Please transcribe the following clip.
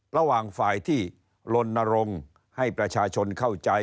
ระหว่างฝ่ายที่ลนรงค์ให้ประชาชนเข้าใจ